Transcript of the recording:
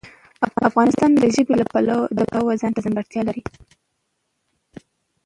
افغانستان د ژبې د پلوه ځانته ځانګړتیا لري.